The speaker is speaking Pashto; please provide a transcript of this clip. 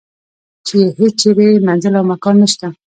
چې یې هیچرې منزل او مکان نشته.